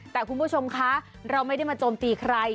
แต่คุณผู้ชมคะเราไม่ได้มาโจมตีใคร